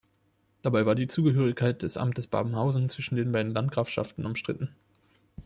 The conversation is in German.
Dabei war die Zugehörigkeit des Amtes Babenhausen zwischen den beiden Landgrafschaften umstritten.